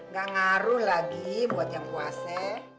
gak ngaruh lagi buat yang kuasa